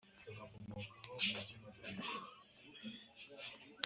baba cyangwa batuye ku byerekeye karisa